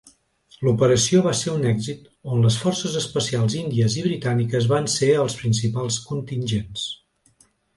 L'operació va ser un èxit on les Forces Especials Índies i Britàniques van ser els principals contingents.